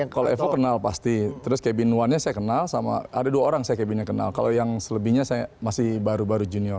kalau evo kenal pasti terus cabin one nya saya kenal sama ada dua orang saya cabin yang kenal kalau yang selebihnya saya masih baru baru junior